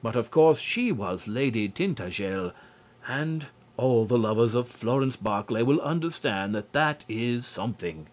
But of course she was Lady Tintagel, and all the lovers of Florence Barclay will understand that that is something.